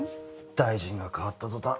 大臣が変わったとたん